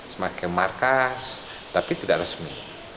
sebagai markas tapi tidak resmi